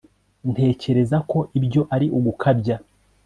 ntekereza ko ibyo ari ugukabya